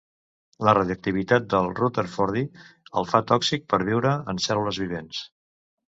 La radioactivitat del rutherfordi el fa tòxic per viure en cèl·lules vivents.